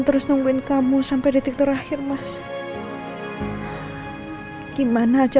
tunggu saya di sana ya